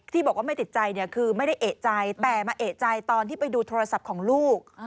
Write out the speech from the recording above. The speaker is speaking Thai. บอกว่าไม่ติดใจเนี่ยคือไม่ได้เอกใจแต่มาเอกใจตอนที่ไปดูโทรศัพท์ของลูก